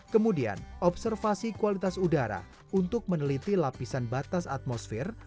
kemudian observasi kualitas udara untuk meneliti lapisan batas atmosfer